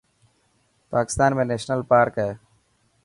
پاڪستان ۾ نيشنل پارڪ هي.